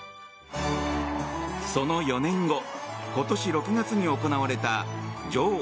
その４年後今年６月に行われた女王